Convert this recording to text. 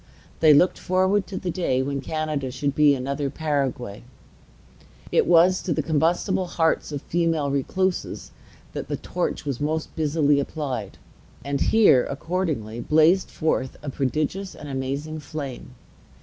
They looked forward to the day when Canada should be another Paraguay. It was to the combustible hearts of female recluses that the torch was most busily applied; and here, accordingly, blazed forth a prodigious and amazing flame.